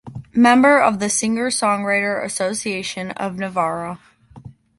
Member of the Singer-songwriter Association of Navarra.